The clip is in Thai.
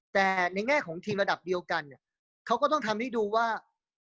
แต่ในแง่ของทีมระดับเดียวกันเนี่ยเขาก็ต้องทำให้ดูว่า